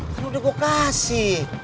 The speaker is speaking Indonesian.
kan udah gue kasih